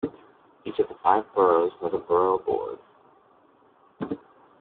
Each of the five boroughs has a borough board.